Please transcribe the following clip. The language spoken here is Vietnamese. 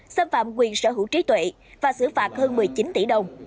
xâm phạm quyền sở hữu trí tuệ và xử phạt hơn một mươi chín tỷ đồng